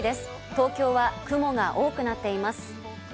東京は雲が多くなっています。